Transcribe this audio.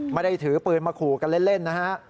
ไม่ได้ถือปืนมาขู่กันเล่นนะฮะ